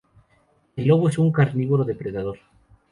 El lobo es un carnívoro depredador.